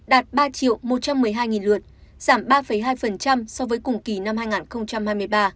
đạt ba một trăm một mươi hai lượt giảm ba hai so với cùng kỳ năm hai nghìn hai mươi ba